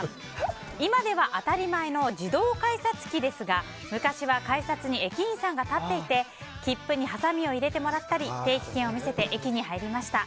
今では当たり前の自動改札機ですが、昔は改札に駅員さんが立っていて切符にはさみを入れてもらったり定期券を見せて駅に入りました。